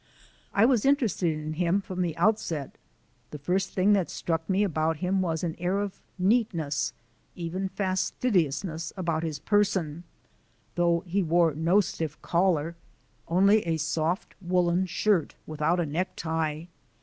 I was interested in him from the outset. The first thing that struck me about him was an air of neatness, even fastidiousness, about his person though he wore no stiff collar, only a soft woollen shirt without a necktie.